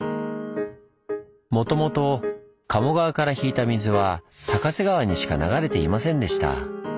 もともと鴨川から引いた水は高瀬川にしか流れていませんでした。